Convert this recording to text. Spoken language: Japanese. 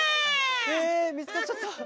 えみつかっちゃった。